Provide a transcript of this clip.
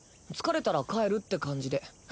疲れたら帰るって感じで。